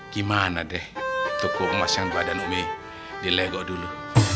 gimana deh tukung mas yang badan umi di lego dulu